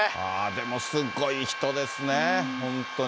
でも、すっごい人ですね、本当に。